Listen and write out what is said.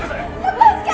aku sangat merindukanmu